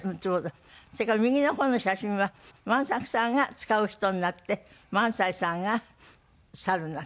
それから右の方の写真は万作さんが使う人になって萬斎さんが猿になって。